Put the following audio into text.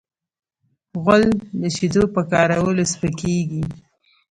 غول د شیدو په کارولو سپکېږي.